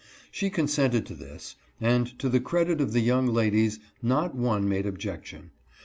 She consented to this, and to the credit of the young ladies not one made objection.